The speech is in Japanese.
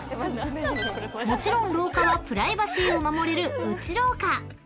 ［もちろん廊下はプライバシーを守れる］